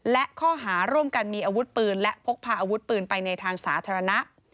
และข้อหาร่วมกันมีอาวุธปืนและพกพาอาวุธปืนไปในทางสาธารณะ